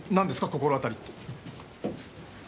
心当たりって。